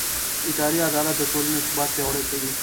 اداري عدالت د ټولنې ثبات پیاوړی کوي.